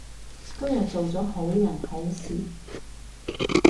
今日做咗好人好事